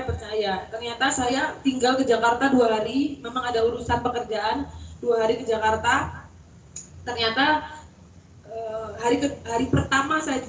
berdua hari memang ada urusan pekerjaan dua hari ke jakarta ternyata hari ke hari pertama saya di